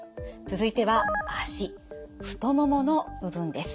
続いては脚太ももの部分です。